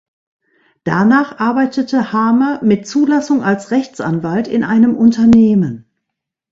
Danach arbeitete Hamer mit Zulassung als Rechtsanwalt in einem Unternehmen.